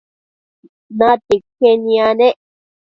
natia iquen yanec